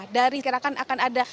dari sekirakan akan ada